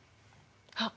あっ！